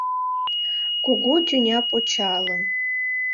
Кугу тӱня почалын: